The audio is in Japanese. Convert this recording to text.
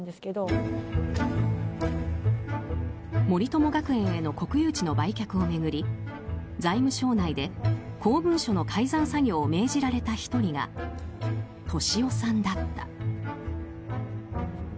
森友学園への国有地の売却を巡り財務省内で公文書の改ざん作業を命じられた１人が俊夫さんだった。